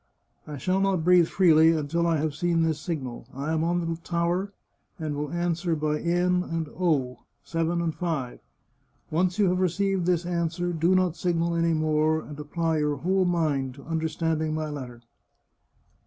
I shall not breathe freely until I have seen this signal. I am on the tower, and will answer by ' N ' and ' O,' * seven ' and ' five.' Once you have received this answer, do not signal any more, and apply your whole mind to under standing my letter."